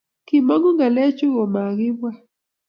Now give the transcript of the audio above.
kimong'u ng'alechu komakibwaat